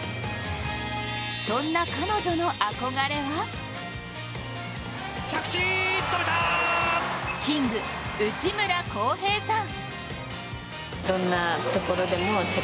そんな彼女の憧れはキング・内村航平さん。